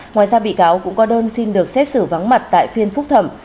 ngoài ra bị cáo cũng có đơn xin được xét xử vắng mặt tại phiên phúc thẩm